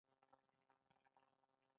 نثر ته په انګريزي ژبه کي Prose وايي.